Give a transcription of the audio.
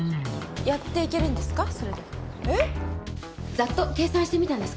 ざっと計算してみたんです。